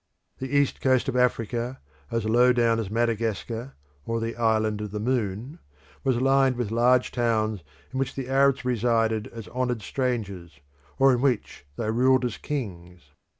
The east coast of Africa, as low down as Madagascar, or the Island of the Moon, was lined with large towns in which the Arabs resided as honoured strangers, or in which they ruled as kings.